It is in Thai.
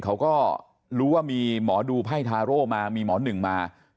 เขาก็รู้ว่ามีหมอดูไพ่ทาโร่มามีหมอหนึ่งมา